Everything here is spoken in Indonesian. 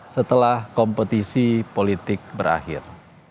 setelah kompetisi politik berakhir